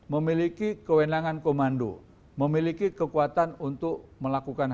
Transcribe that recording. memiliki kewenangan komando memiliki kekuatan untuk melakukan